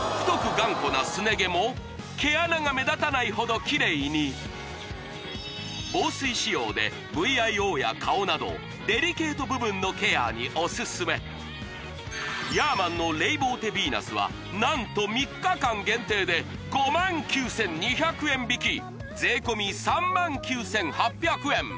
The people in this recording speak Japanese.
頑固なすね毛も毛穴が目立たないほどキレイに防水仕様でＶＩＯや顔などデリケート部分のケアにオススメヤーマンのレイボーテヴィーナスは何と３日間限定で５９２００円引き税込３９８００円